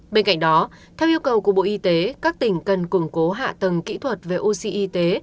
bên cạnh đó theo yêu cầu của bộ y tế các tỉnh cần củng cố hạ tầng kỹ thuật về oxy y tế